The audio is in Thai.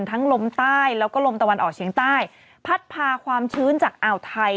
ลมใต้แล้วก็ลมตะวันออกเฉียงใต้พัดพาความชื้นจากอ่าวไทย